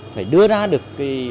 phải đưa ra được